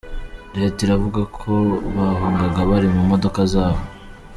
Leta iravuga ko bahungaga bari mu modoka zabo.